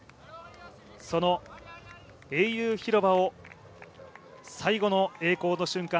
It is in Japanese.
その英雄広場を最後の栄光の瞬間